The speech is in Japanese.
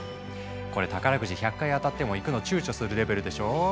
これ宝くじ１００回当たっても行くの躊躇するレベルでしょう。